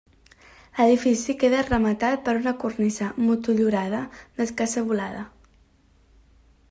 L'edifici queda rematat per una cornisa motllurada d'escassa volada.